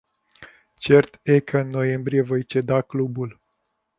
Cert e că în noiembrie voi ceda clubul.